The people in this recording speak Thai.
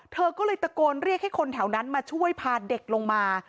เธอก็เลยตะโกนเรียกให้คนแถวนั้นมาช่วยพาเด็กลงมา